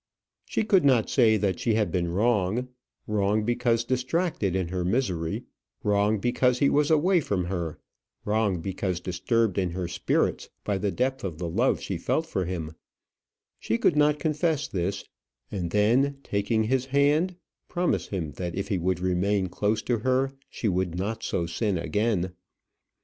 She could not say that she had been wrong, wrong because distracted by her misery, wrong because he was away from her, wrong because disturbed in her spirits by the depth of the love she felt for him; she could not confess this, and then, taking his hand, promise him that if he would remain close to her she would not so sin again.